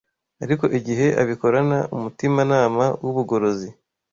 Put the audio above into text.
ariko igihe abikorana umutimanama w’ubugorozi